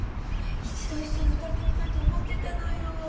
一度一緒に歌ってみたいと思ってたのよ。